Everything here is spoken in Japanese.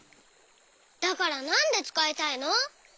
だからなんでつかいたいの？